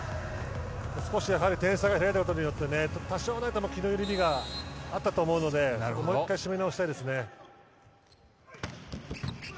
少し点差が開いたことによって多少なりとも気の緩みがあったと思うのでもう１回締め直したいですね。